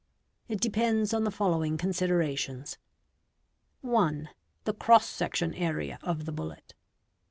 It depends on the following considerations :— 1. The cross section area of the bullet.